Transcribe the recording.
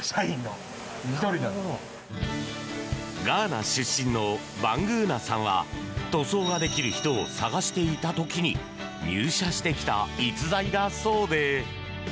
ガーナ出身のバングーナさんは塗装ができる人を探していた時に入社してきた逸材だそうで。